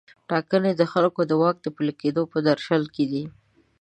ټاکنې د خلکو د واک د پلي کیدو په درشل کې دي.